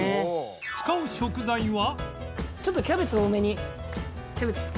使う食材は